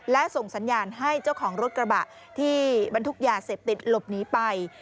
และส่งสัญญาณให้เจ้าของรถกระบะที่บรรทุกยาเสพติดหลบหนีไป